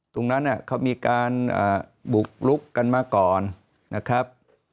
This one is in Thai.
ตรงนั้นเขามีการบุกลุกกันมาก่อนนะครับ